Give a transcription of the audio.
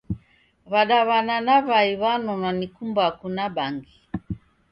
W'adaw'ana na Wai w'anonwa ni kumbaku na bangi.